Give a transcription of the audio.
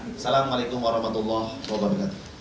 assalamualaikum warahmatullah wabarakatuh